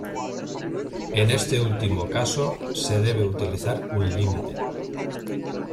En este último caso, se debe utilizar un límite.